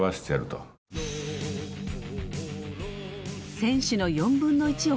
選手の４分の１を解雇。